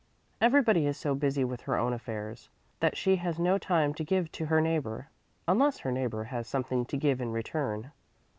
Everybody is so busy with her own affairs that she has no time to give to her neighbor, unless her neighbor has something to give in return.